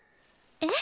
えっ？